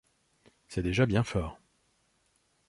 C’est déjà bien fort.